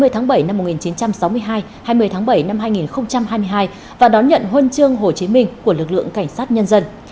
hai mươi tháng bảy năm một nghìn chín trăm sáu mươi hai hai mươi tháng bảy năm hai nghìn hai mươi hai và đón nhận huân chương hồ chí minh của lực lượng cảnh sát nhân dân